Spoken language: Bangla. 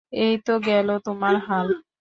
এই তো গেল তোমার হাল।